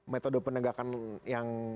metode penegakan yang